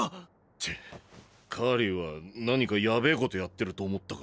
チッカーリーは何かヤベェことやってると思ったからだ。